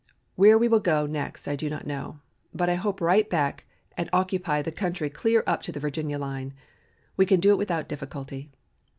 Where we will go next I do not know, but I hope right back and occupy the country clear up to the Virginia line. We can do it without difficulty.